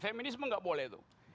feminisme nggak boleh